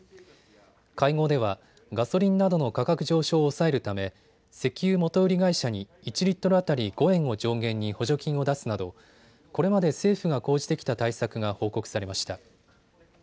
会合ではガソリンなどの価格上昇を抑えるため、石油元売り会社に１リットル当たり５円を上限に補助金を出すなどこれまで政府が講じてきた対策が報告されました。